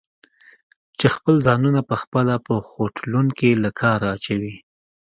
چې خپل ځانونه پخپله په خوټلون کې له کاره اچوي؟